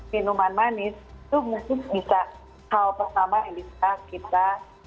minuman manis itu mungkin bisa hal pertama yang bisa kita